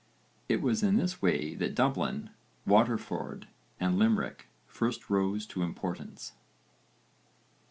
It was in this way that Dublin, Waterford and Limerick first rose to importance.